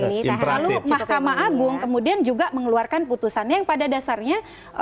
lalu mahkamah agung kemudian juga mengeluarkan putusannya yang pada dasarnya